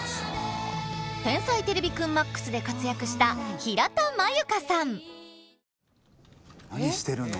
「天才てれびくんＭＡＸ」で活躍した何してるの？